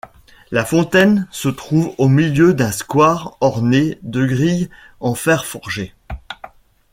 La fontaine se trouve au milieu d'un square orné de grilles en fer forgé.